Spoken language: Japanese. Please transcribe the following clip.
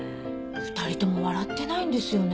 ２人とも笑ってないんですよね。